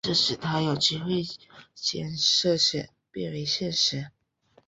这使他有机会将设想变为现实。